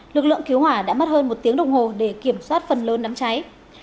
lực lượng cứu hỏa đã mất hơn một tiếng đồng hồ để kiểm soát phần lớn đám cháy